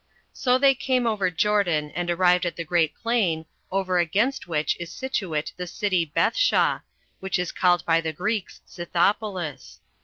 So they came over Jordan, and arrived at the great plain, over against which is situate the city Bethshah, which is called by the Greeks Scythopolis.